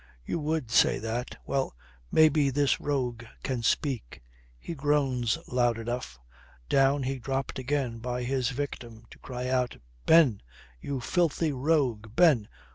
"You would say that. Well, maybe this rogue can speak. He groans loud enough." Down he dropped again by his victim to cry out "Ben! You filthy rogue! Ben!